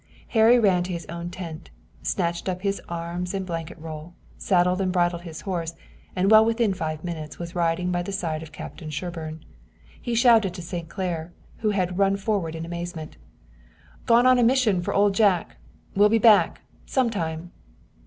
Harry ran to his own tent, snatched up his arms and blanket roll, saddled and bridled his horse, and well within five minutes was riding by the side of Captain Sherburne. He shouted to St. Clair, who had run forward in amazement: "Gone on a mission for Old Jack. Will be back some time."